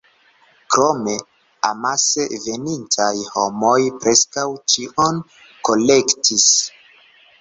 Krome, amase venintaj homoj preskaŭ ĉion kolektis.